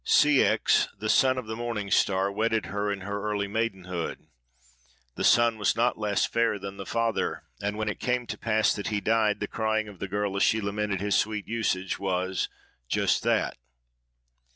Ceyx, the son of the morning star, wedded her in her early maidenhood. The son was not less fair than the father; and when it came to pass that he died, the crying of the girl as she lamented his sweet usage, was, Just that!